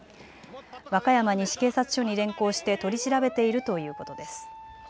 和歌山西警察署に連行して取り調べているということです。